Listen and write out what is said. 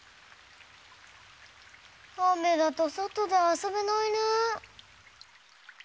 雨だとそとであそべないなぁ。